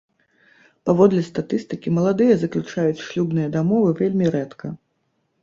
Паводле статыстыкі, маладыя заключаюць шлюбныя дамовы вельмі рэдка.